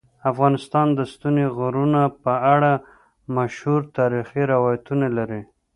افغانستان د ستوني غرونه په اړه مشهور تاریخی روایتونه لري.